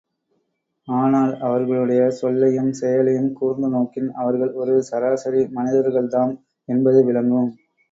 ஆனால் அவர்களுடைய சொல்லையும் செயலையும் கூர்ந்து நோக்கின் அவர்கள் ஒரு சராசரி மனிதர்கள்தாம் என்பது விளங்கும்!